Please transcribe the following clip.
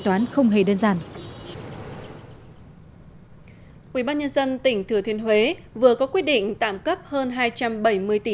toán không hề đơn giản quỹ bác nhân dân tỉnh thừa thuyền huế vừa có quy định tạm cấp hơn hai trăm bảy mươi tỷ